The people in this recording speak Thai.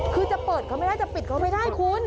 คือจะเปิดเขาไม่ได้จะปิดเขาไม่ได้คุณ